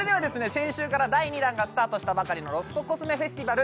先週から第２弾がスタートしたばかりのロフトコスメフェスティバル